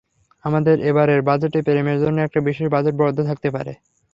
আমাদের এবারের বাজেটে প্রেমের জন্য একটা বিশেষ বাজেট বরাদ্দ থাকতে পারে।